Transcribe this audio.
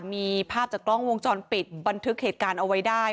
มีภาพจากกล้องวงจรปิดบันทึกเหตุการณ์เอาไว้ได้